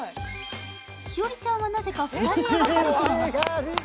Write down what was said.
栞里ちゃんはなぜか２人描かれています。